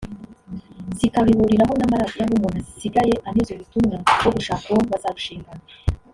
zikabihuriraho n’amaradiyo aho umuntu asigaye anyuza ubutumwa bwo gushaka uwo bazarushingana